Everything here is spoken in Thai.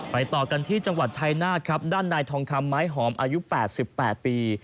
ต่อกันที่จังหวัดชายนาฏครับด้านนายทองคำไม้หอมอายุ๘๘ปี